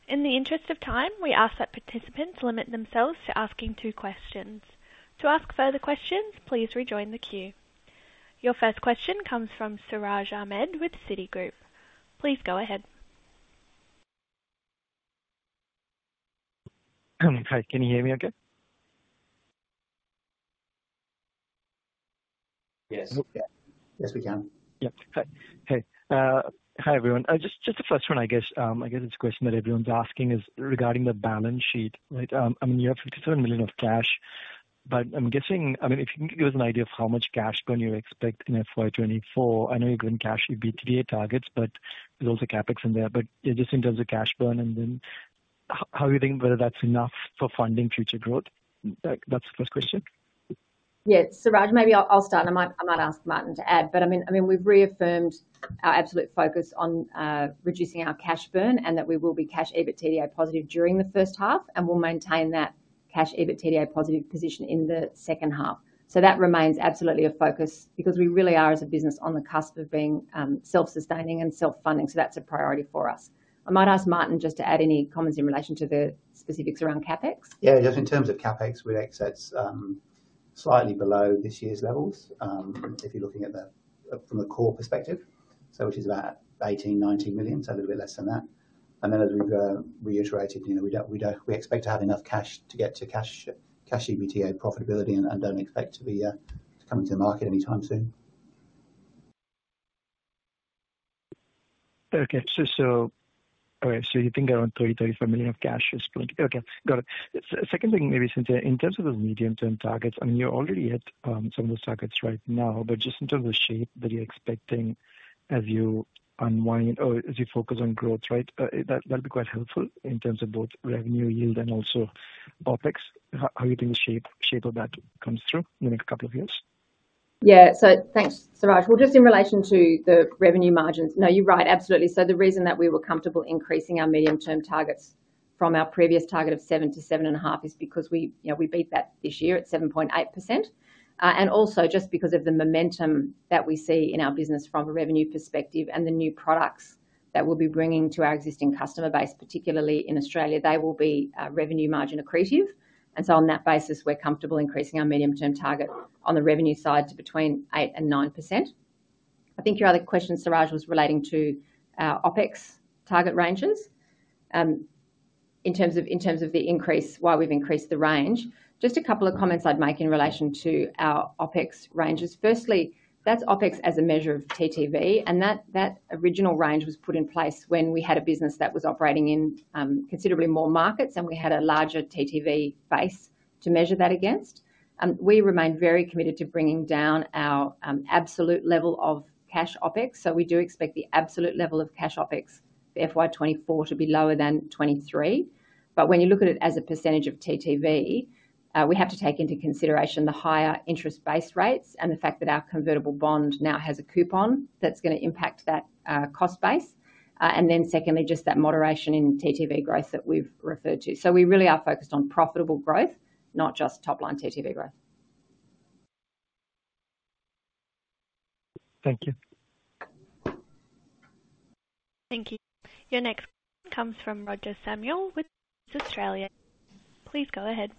[SPEAKER 1] In the interest of time, we ask that participants limit themselves to asking two questions. To ask further questions, please rejoin the queue. Your first question comes from Siraj Ahmed with Citigroup. Please go ahead.
[SPEAKER 7] Hi, can you hear me okay?
[SPEAKER 6] Yes. Yes, we can.
[SPEAKER 7] Yeah. Hi. Hey, hi, everyone. Just, just the first one, I guess, I guess it's a question that everyone's asking is regarding the balance sheet, right? I mean, you have 57 million of cash, but I'm guessing... I mean, if you can give us an idea of how much cash burn you expect in FY 2024. I know you're going Cash EBITDA targets, but there's also CapEx in there, but just in terms of cash burn, and then h-how are you thinking whether that's enough for funding future growth? That's the first question.
[SPEAKER 3] Yeah, Siraj, maybe I'll, I'll start, and I might, I might ask Martin to add. But, I mean, I mean, we've reaffirmed our absolute focus on reducing our cash burn and that we will be Cash EBITDA positive during the first half, and we'll maintain that Cash EBITDA positive position in the second half. So that remains absolutely a focus because we really are, as a business, on the cusp of being self-sustaining and self-funding, so that's a priority for us. I might ask Martin just to add any comments in relation to the specifics around CapEx.
[SPEAKER 6] Yeah, just in terms of CapEx, we expect slightly below this year's levels, if you're looking from the core perspective. So which is about 18 million-19 million, so a little bit less than that. And then, as we've reiterated, you know, we don't expect to have enough cash to get to Cash EBITDA profitability and don't expect to come into the market anytime soon.
[SPEAKER 7] Okay. So you think around 30 million-35 million of cash is going to... Okay, got it. Second thing, maybe, Cynthia, in terms of the medium-term targets, I mean, you're already at some of those targets right now, but just in terms of the shape that you're expecting as you unwind or as you focus on growth, right? That'll be quite helpful in terms of both revenue yield and also OpEx. How do you think the shape of that comes through in the next couple of years?
[SPEAKER 3] Yeah. So thanks, Siraj. Well, just in relation to the revenue margins, no, you're right. Absolutely. So the reason that we were comfortable increasing our medium-term targets from our previous target of 7%-7.5% is because we, you know, we beat that this year at 7.8%. And also just because of the momentum that we see in our business from a revenue perspective and the new products that we'll be bringing to our existing customer base, particularly in Australia, they will be revenue margin accretive. And so on that basis, we're comfortable increasing our medium-term target on the revenue side to between 8%-9%. I think your other question, Siraj, was relating to our OpEx target ranges. In terms of, in terms of the increase, why we've increased the range. Just a couple of comments I'd make in relation to our OpEx ranges. Firstly, that's OpEx as a measure of TTV, and that original range was put in place when we had a business that was operating in considerably more markets, and we had a larger TTV base to measure that against. We remain very committed to bringing down our absolute level of cash OpEx, so we do expect the absolute level of cash OpEx for FY 2024 to be lower than 2023. But when you look at it as a percentage of TTV, we have to take into consideration the higher interest base rates and the fact that our convertible bond now has a coupon that's going to impact that cost base. And then secondly, just that moderation in TTV growth that we've referred to. So we really are focused on profitable growth, not just top-line TTV growth.
[SPEAKER 7] Thank you.
[SPEAKER 1] Thank you. Your next call comes from Roger Samuel with Jefferies. Please go ahead.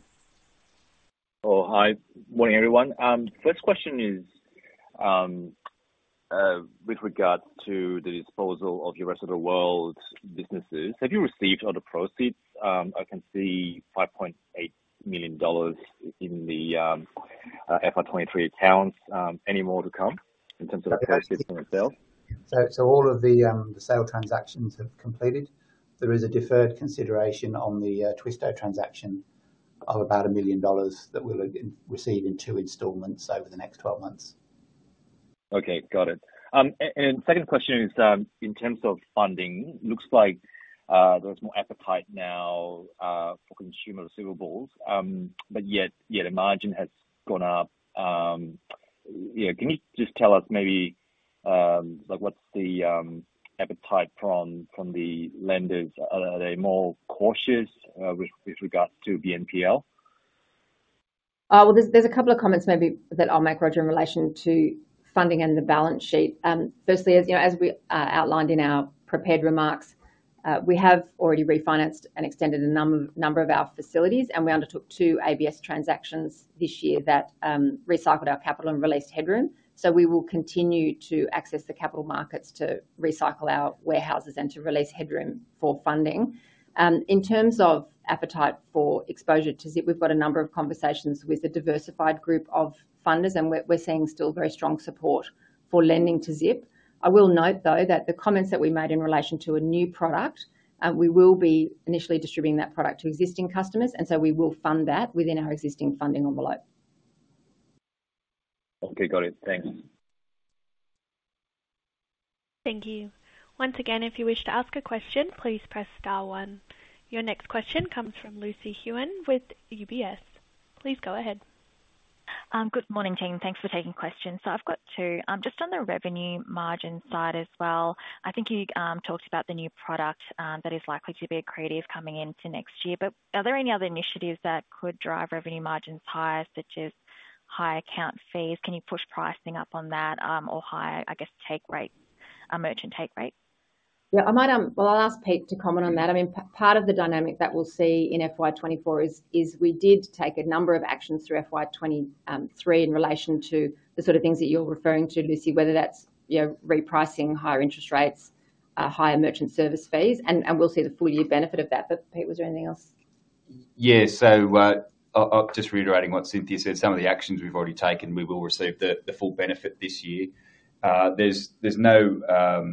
[SPEAKER 8] Oh, hi. Morning, everyone. First question is, with regard to the disposal of your rest of the world's businesses. Have you received all the proceeds? I can see $5.8 million in the FY 2023 accounts. Any more to come in terms of the proceeds from the sale?
[SPEAKER 6] All of the sale transactions have completed. There is a deferred consideration on the Twisto transaction of about 1 million dollars that we'll receive in two installments over the next 12 months.
[SPEAKER 8] Okay, got it. And second question is, in terms of funding, looks like, there's more appetite now for consumer receivables, but yet, yet the margin has gone up. Yeah, can you just tell us maybe, like, what's the appetite from, from the lenders? Are, are they more cautious, with, with regards to BNPL?
[SPEAKER 3] Well, there's a couple of comments maybe that I'll make, Roger, in relation to funding and the balance sheet. Firstly, you know, as we outlined in our prepared remarks, we have already refinanced and extended a number of our facilities, and we undertook two ABS transactions this year that recycled our capital and released headroom, so we will continue to access the capital markets to recycle our warehouses and to release headroom for funding. In terms of appetite for exposure to Zip, we've got a number of conversations with a diversified group of funders, and we're seeing still very strong support for lending to Zip. I will note, though, that the comments that we made in relation to a new product, we will be initially distributing that product to existing customers, and so we will fund that within our existing funding envelope.
[SPEAKER 8] Okay, got it. Thanks.
[SPEAKER 1] Thank you. Once again, if you wish to ask a question, please press star one. Your next question comes from Lucy Huang with UBS. Please go ahead.
[SPEAKER 9] Good morning, team. Thanks for taking questions. So I've got two. Just on the revenue margin side as well, I think you talked about the new product that is likely to be accretive coming into next year, but are there any other initiatives that could drive revenue margins higher, such as higher account fees? Can you push pricing up on that, or higher, I guess, take rates, merchant take rates?
[SPEAKER 3] Yeah, I might... Well, I'll ask Pete to comment on that. I mean, part of the dynamic that we'll see in FY 2024 is we did take a number of actions through FY 2023 in relation to the sort of things that you're referring to, Lucy, whether that's, you know, repricing, higher interest rates, higher merchant service fees, and we'll see the full year benefit of that. But, Pete, was there anything else?
[SPEAKER 5] Yeah, so, just reiterating what Cynthia said, some of the actions we've already taken, we will receive the full benefit this year. There's no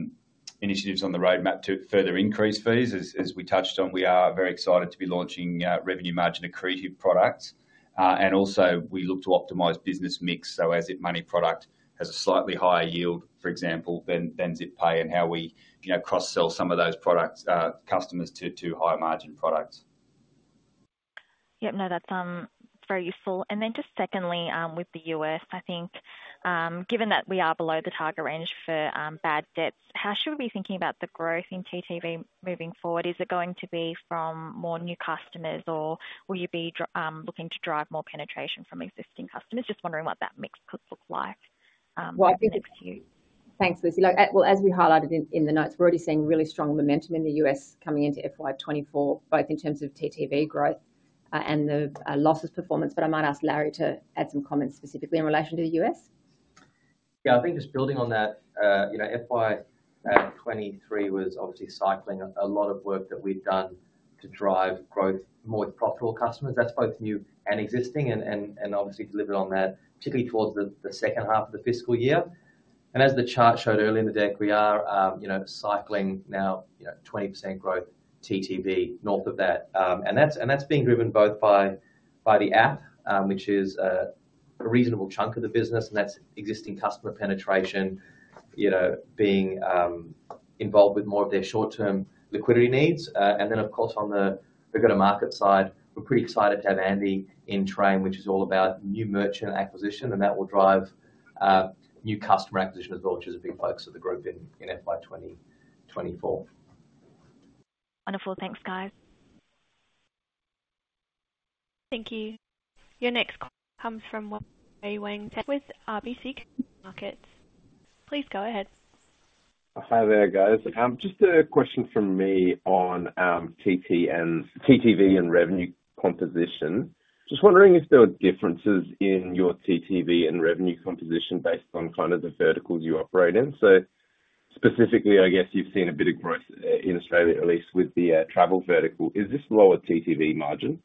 [SPEAKER 5] initiatives on the roadmap to further increase fees. As we touched on, we are very excited to be launching a revenue margin accretive products. And also, we look to optimize business mix, so Zip Money product has a slightly higher yield, for example, than Zip Pay, and how we, you know, cross-sell some of those products, customers to higher margin products.
[SPEAKER 9] Yep. No, that's very useful. And then just secondly, with the U.S., I think, given that we are below the target range for bad debts, how should we be thinking about the growth in TTV moving forward? Is it going to be from more new customers, or will you be looking to drive more penetration from existing customers? Just wondering what that mix could look like, moving into the future.
[SPEAKER 3] Thanks, Lucy. Look, well, as we highlighted in the notes, we're already seeing really strong momentum in the U.S. coming into FY 2024, both in terms of TTV growth, and the losses performance, but I might ask Larry to add some comments specifically in relation to the U.S.
[SPEAKER 4] Yeah, I think just building on that, you know, FY 2023 was obviously cycling a lot of work that we've done to drive growth, more with profitable customers. That's both new and existing and obviously delivered on that, typically towards the second half of the fiscal year. And as the chart showed early in the deck, we are, you know, cycling now, you know, 20% growth, TTV, north of that. And that's being driven both by the app, which is a reasonable chunk of the business, and that's existing customer penetration, you know, being involved with more of their short-term liquidity needs. And then, of course, on the bigger market side, we're pretty excited to have Andy, which is all about new merchant acquisition, and that will drive new customer acquisition as well, which is a big focus of the group in FY 2024.
[SPEAKER 9] Wonderful. Thanks, guys.
[SPEAKER 1] Thank you. Your next call comes from Wei-Weng Chen with RBC Capital Markets. Please go ahead.
[SPEAKER 10] Hi there, guys. Just a question from me on, TTM, TTV and revenue composition. Just wondering if there were differences in your TTV and revenue composition based on kind of the verticals you operate in? Specifically, I guess you've seen a bit of growth, in Australia, at least with the, travel vertical. Is this lower TTV margin?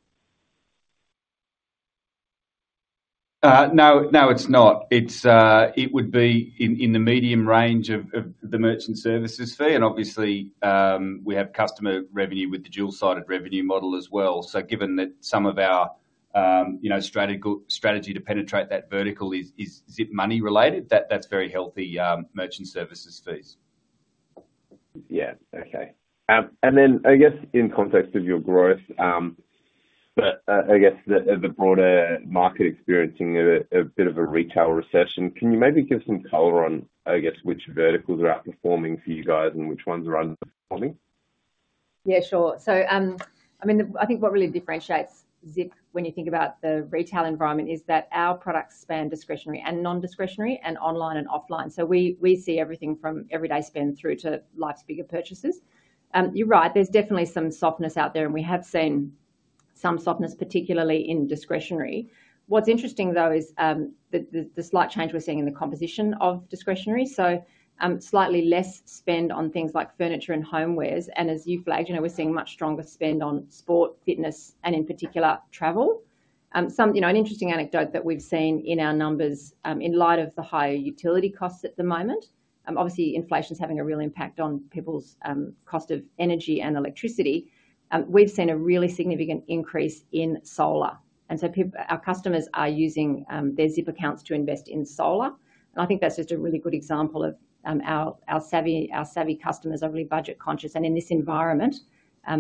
[SPEAKER 5] No, no, it's not. It would be in the medium range of the merchant services fee, and obviously, we have customer revenue with the dual-sided revenue model as well. So given that some of our, you know, strategy to penetrate that vertical is Zip Money related, that, that's very healthy, merchant services fees.
[SPEAKER 10] Yeah. Okay. And then I guess in context of your growth, but I guess the broader market experiencing a bit of a retail recession, can you maybe give some color on, I guess, which verticals are outperforming for you guys and which ones are underperforming?
[SPEAKER 3] Yeah, sure. So, I mean, I think what really differentiates Zip when you think about the retail environment, is that our products span discretionary and non-discretionary and online and offline. So we see everything from everyday spend through to life's bigger purchases. You're right, there's definitely some softness out there, and we have seen some softness, particularly in discretionary. What's interesting, though, is the slight change we're seeing in the composition of discretionary. So, slightly less spend on things like furniture and homewares, and as you flagged, you know, we're seeing much stronger spend on sport, fitness, and in particular, travel. You know, an interesting anecdote that we've seen in our numbers, in light of the higher utility costs at the moment, obviously, inflation is having a real impact on people's cost of energy and electricity. We've seen a really significant increase in solar, and so our customers are using their Zip accounts to invest in solar. And I think that's just a really good example of our savvy customers are really budget conscious. And in this environment,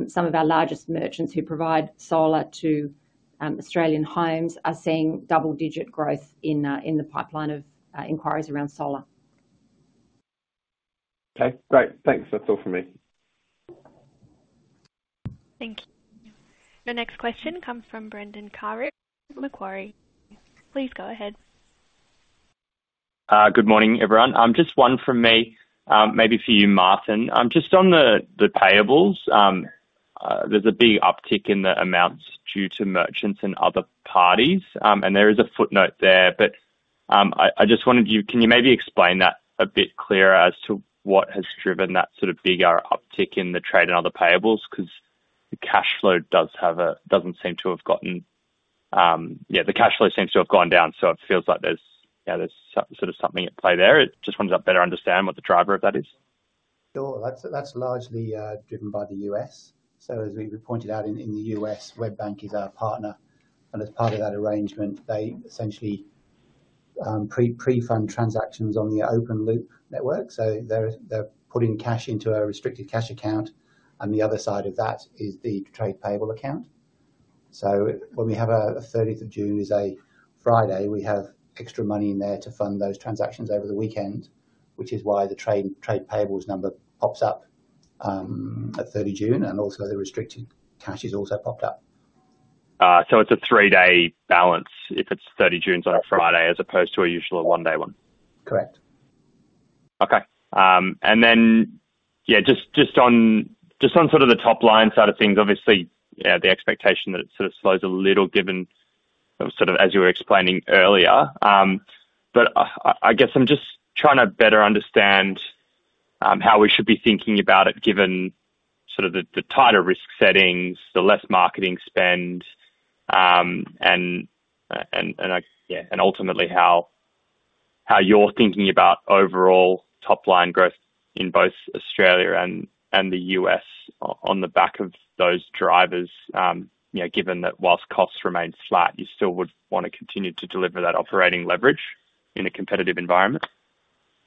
[SPEAKER 3] some of our largest merchants who provide solar to Australian homes are seeing double-digit growth in the pipeline of inquiries around solar.
[SPEAKER 10] Okay, great. Thanks. That's all for me.
[SPEAKER 1] Thank you. Your next question comes from Brendan Carrig of Macquarie. Please go ahead.
[SPEAKER 11] Good morning, everyone. Just one from me, maybe for you, Martin. Just on the payables, there's a big uptick in the amounts due to merchants and other parties. And there is a footnote there, but I just wondered, can you maybe explain that a bit clearer as to what has driven that sort of bigger uptick in the trade and other payables? 'Cause the cash flow doesn't seem to have gotten... The cash flow seems to have gone down, so it feels like there's, you know, there's sort of something at play there. I just wanted to better understand what the driver of that is.
[SPEAKER 6] Sure. That's largely driven by the U.S. So as we pointed out, in the U.S., WebBank is our partner, and as part of that arrangement, they essentially pre-fund transactions on the open loop network. So they're putting cash into a restricted cash account, and the other side of that is the trade payable account. So when we have a 30th of June is a Friday, we have extra money in there to fund those transactions over the weekend, which is why the trade payables number pops up at 30 June, and also the restricted cash is also popped up.
[SPEAKER 11] So it's a three-day balance if it's 30 June's on a Friday, as opposed to a usual one-day one?
[SPEAKER 6] Correct.
[SPEAKER 11] Okay. And then, yeah, just on sort of the top-line side of things, obviously, the expectation that it sort of slows a little, given sort of, as you were explaining earlier. But I guess I'm just trying to better understand, how we should be thinking about it, given sort of the tighter risk settings, the less marketing spend, and, yeah, and ultimately, how you're thinking about overall top-line growth in both Australia and the U.S. on the back of those drivers. You know, given that whilst costs remain flat, you still would want to continue to deliver that operating leverage in a competitive environment?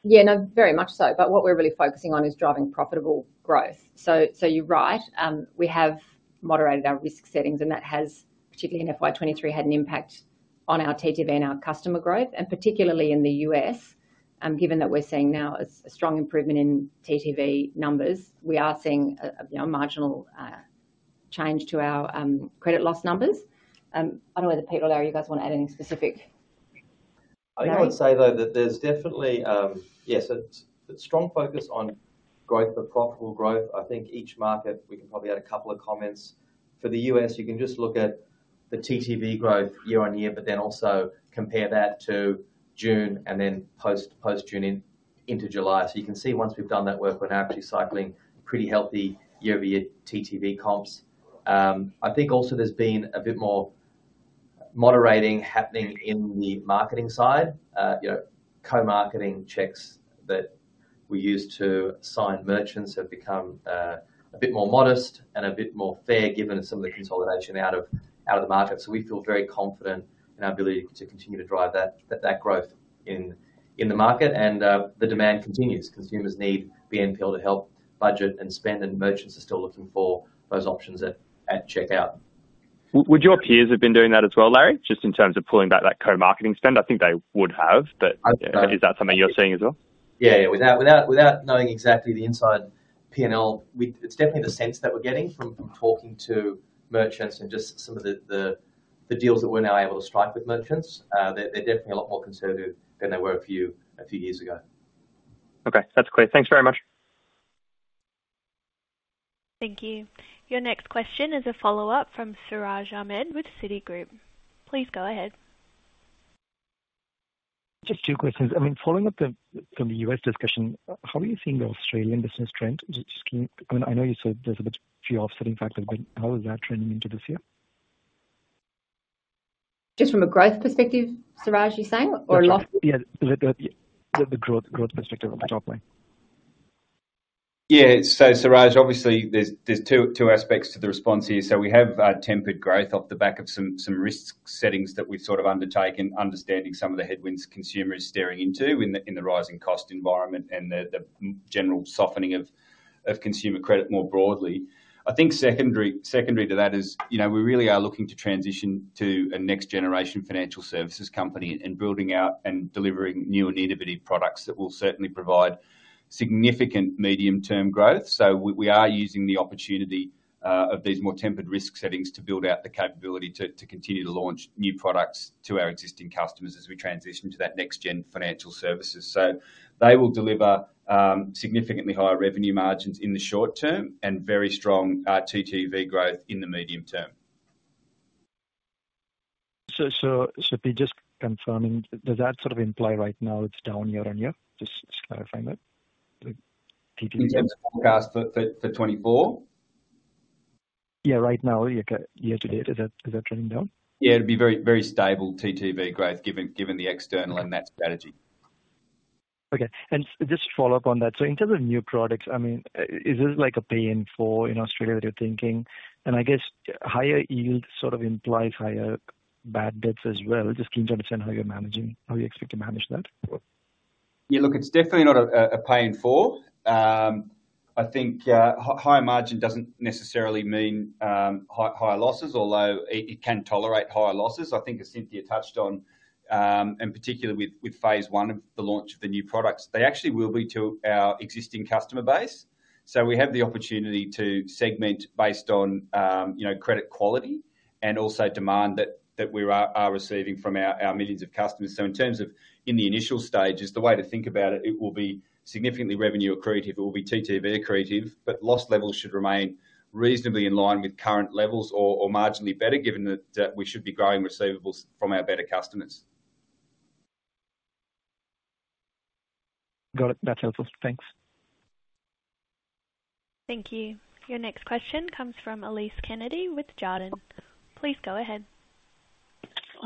[SPEAKER 3] Yeah, no, very much so, but what we're really focusing on is driving profitable growth. So, you're right, we have moderated our risk settings, and that has, particularly in FY 2023, had an impact on our TTV and our customer growth, and particularly in the U.S., given that we're seeing now a strong improvement in TTV numbers, we are seeing a, you know, marginal change to our credit loss numbers. I don't know whether, Peter or Larry, you guys want to add anything specific?
[SPEAKER 4] I would say, though, that there's definitely a strong focus on growth for profitable growth. I think each market, we can probably add a couple of comments. For the U.S., you can just look at the TTV growth year-on-year, but then also compare that to June and then post-June into July. So you can see once we've done that work, we're now actually cycling pretty healthy year-over-year TTV comps. I think also there's been a bit more moderating happening in the marketing side. You know, co-marketing checks that we use to sign merchants have become a bit more modest and a bit more fair, given some of the consolidation out of the market. So we feel very confident in our ability to continue to drive that growth in the market, and the demand continues. Consumers need BNPL to help budget and spend, and merchants are still looking for those options at checkout.
[SPEAKER 11] Would your peers have been doing that as well, Larry? Just in terms of pulling back that co-marketing spend. I think they would have, but is that something you're seeing as well?
[SPEAKER 4] Yeah, yeah. Without knowing exactly the inside PNL, we—it's definitely the sense that we're getting from talking to merchants and just some of the deals that we're now able to strike with merchants. They're definitely a lot more conservative than they were a few years ago.
[SPEAKER 11] Okay. That's clear. Thanks very much.
[SPEAKER 1] Thank you. Your next question is a follow-up from Siraj Ahmed with Citigroup. Please go ahead.
[SPEAKER 7] Just two questions. I mean, following up from the U.S. discussion, how are you seeing the Australian business trend? Just, I mean, I know you said there's a bit few offsetting factors, but how is that trending into this year?
[SPEAKER 3] Just from a growth perspective, Siraj, you're saying, or a loss?
[SPEAKER 7] Yeah, the growth perspective on the top line.
[SPEAKER 5] Yeah. So, Siraj, obviously, there's two aspects to the response here. So we have tempered growth off the back of some risk settings that we've sort of undertaken, understanding some of the headwinds consumers are staring into in the rising cost environment and the general softening of consumer credit more broadly. I think secondary to that is, you know, we really are looking to transition to a next generation financial services company and building out and delivering new and innovative products that will certainly provide significant medium-term growth. So we are using the opportunity of these more tempered risk settings to build out the capability to continue to launch new products to our existing customers as we transition to that next gen financial services. They will deliver significantly higher revenue margins in the short term and very strong TTV growth in the medium term.
[SPEAKER 7] So, just confirming, does that sort of imply right now it's down year-on-year? Just clarifying that, the TTV.
[SPEAKER 5] Forecast for 2024?
[SPEAKER 7] Yeah, right now, yeah, year-to-date, is that, is that trending down?
[SPEAKER 5] Yeah, it'd be very, very stable TTV growth, given, given the external and that strategy.
[SPEAKER 7] Okay. And just to follow up on that, so in terms of new products, I mean, is this like a Pay in 4 in Australia, that you're thinking? And I guess higher yield sort of implies higher bad debts as well. Just keen to understand how you're managing, how you expect to manage that.
[SPEAKER 5] Yeah, look, it's definitely not a Pay in 4. I think higher margin doesn't necessarily mean higher losses, although it can tolerate higher losses. I think as Cynthia touched on, and particularly with phase one of the launch of the new products, they actually will be to our existing customer base. So we have the opportunity to segment based on, you know, credit quality and also demand that we are receiving from our millions of customers. So in terms of in the initial stages, the way to think about it, it will be significantly revenue accretive, it will be TTV accretive, but loss levels should remain reasonably in line with current levels or marginally better, given that we should be growing receivables from our better customers.
[SPEAKER 7] Got it. That's helpful. Thanks.
[SPEAKER 1] Thank you. Your next question comes from Elise Kennedy with Jarden. Please go ahead.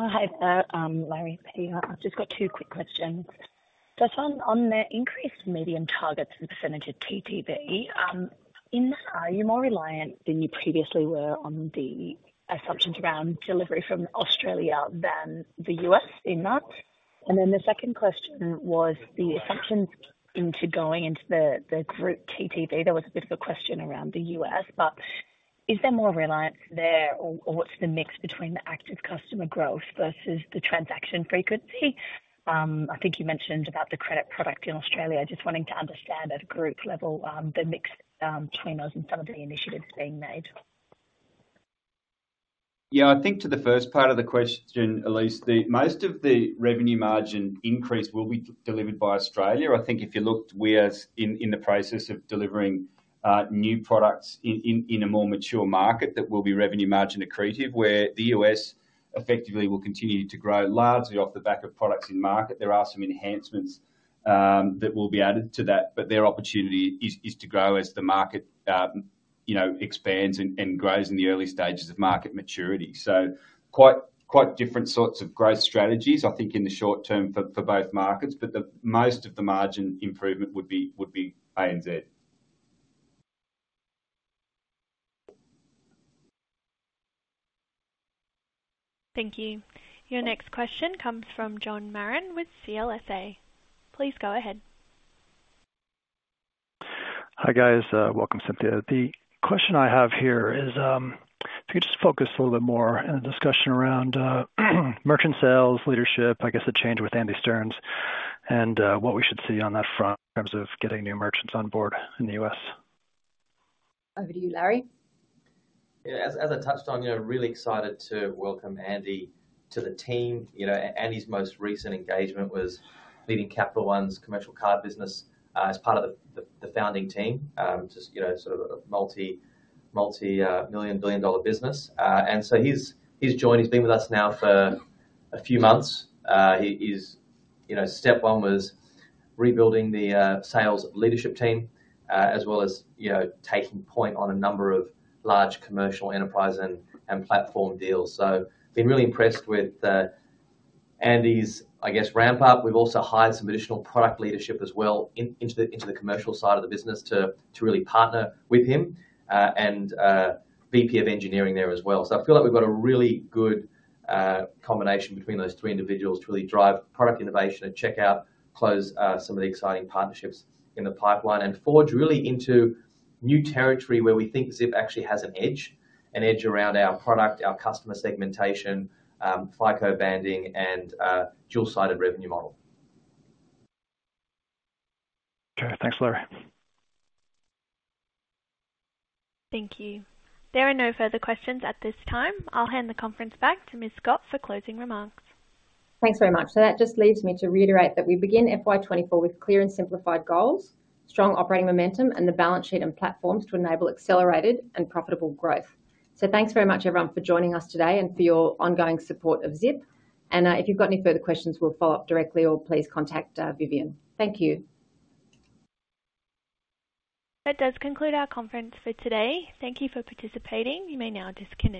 [SPEAKER 12] Hi there, Larry, hey. I've just got two quick questions. Just on the increased medium targets and percentage of TTV, in that, are you more reliant than you previously were on the assumptions around delivery from Australia than the U.S. in that? And then the second question was the assumptions into going into the group TTV. There was a bit of a question around the U.S., but is there more reliance there or what's the mix between the active customer growth versus the transaction frequency? I think you mentioned about the credit product in Australia. I just wanting to understand at a group level the mix between those and some of the initiatives being made.
[SPEAKER 5] Yeah, I think to the first part of the question, Elise, most of the revenue margin increase will be delivered by Australia. I think if you looked, we are in the process of delivering new products in a more mature market that will be revenue margin accretive, where the U.S. effectively will continue to grow largely off the back of products in market. There are some enhancements that will be added to that, but their opportunity is to grow as the market, you know, expands and grows in the early stages of market maturity. So quite different sorts of growth strategies, I think, in the short term for both markets. But the most of the margin improvement would be ANZ.
[SPEAKER 1] Thank you. Your next question comes from John Marrin with CLSA. Please go ahead.
[SPEAKER 13] Hi, guys. Welcome, Cynthia. The question I have here is, if you could just focus a little bit more on the discussion around merchant sales, leadership, I guess the change with Andy Stearns and what we should see on that front in terms of getting new merchants on board in the U.S.?
[SPEAKER 3] Over to you, Larry.
[SPEAKER 4] Yeah, as I touched on, you know, really excited to welcome Andy to the team. You know, Andy's most recent engagement was leading Capital One's commercial card business as part of the founding team. Just, you know, sort of a multi-million, billion-dollar business. And so he's joined. He's been with us now for a few months. You know, step one was rebuilding the sales leadership team as well as, you know, taking point on a number of large commercial enterprise and platform deals. So been really impressed with Andy's, I guess, ramp-up. We've also hired some additional product leadership as well into the commercial side of the business to really partner with him and VP of engineering there as well. I feel like we've got a really good combination between those three individuals to really drive product innovation and checkout, close some of the exciting partnerships in the pipeline. Forge really into new territory where we think Zip actually has an edge, an edge around our product, our customer segmentation, FICO banding and dual-sided revenue model.
[SPEAKER 13] Okay. Thanks, Larry.
[SPEAKER 1] Thank you. There are no further questions at this time. I'll hand the conference back to Ms. Scott for closing remarks.
[SPEAKER 3] Thanks very much. So that just leaves me to reiterate that we begin FY 2024 with clear and simplified goals, strong operating momentum, and the balance sheet and platforms to enable accelerated and profitable growth. So thanks very much, everyone, for joining us today and for your ongoing support of Zip. And, if you've got any further questions, we'll follow up directly or please contact, Vivienne. Thank you.
[SPEAKER 1] That does conclude our conference for today. Thank you for participating. You may now disconnect.